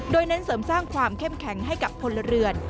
โดยเน้นเสริมสร้างความเข้มแข็งให้กับพลเรือน